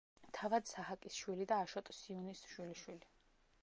თავად საჰაკის შვილი და აშოტ სიუნის შვილიშვილი.